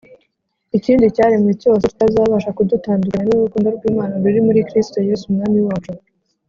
ikindi cyaremwe cyose, kitazabasha kudutandukanya n'urukundo rw'Imana ruri muri Kristo Yesu Umwami wacu